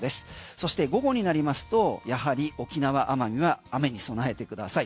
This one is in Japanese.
そして午後になりますとやはり沖縄奄美は雨に備えてください。